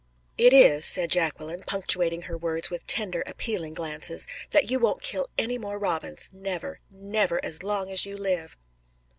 "It is," said Jacqueline, punctuating her words with tender, appealing glances, "that you won't kill any more robins never, never, as long as you live."